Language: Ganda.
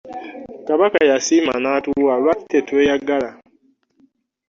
Kabaka yasiima n'atuwa, lwaki tetweyagala?